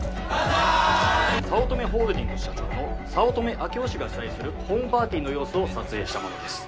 早乙女ホールディングス社長の早乙女秋生氏が主催するホームパーティの様子を撮影したものです。